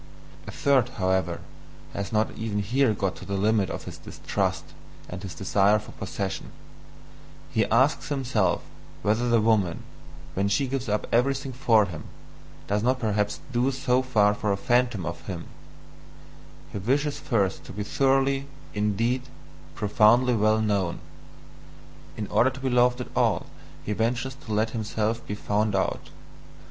A third, however, has not even here got to the limit of his distrust and his desire for possession: he asks himself whether the woman, when she gives up everything for him, does not perhaps do so for a phantom of him; he wishes first to be thoroughly, indeed, profoundly well known; in order to be loved at all he ventures to let himself be found out.